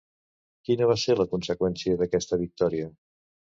Quina va ser la conseqüència d'aquesta victòria?